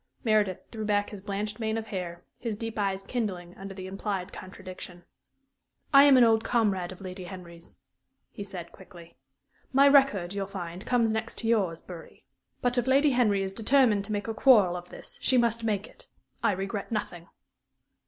Meredith threw back his blanched mane of hair, his deep eyes kindling under the implied contradiction. "I am an old comrade of Lady Henry's," he said, quickly. "My record, you'll find, comes next to yours, Bury. But if Lady Henry is determined to make a quarrel of this, she must make it. I regret nothing."